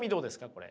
これ。